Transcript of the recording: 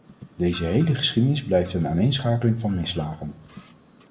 Deze hele geschiedenis blijft een aaneenschakeling van misslagen.